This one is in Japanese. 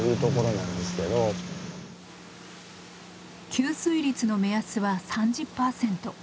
吸水率の目安は３０％。